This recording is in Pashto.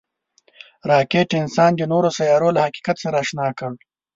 راکټ انسان د نورو سیارو له حقیقت سره اشنا کړ